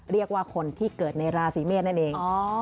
เรียกว่าคนที่เกิดในราศีเมษนั่นเอง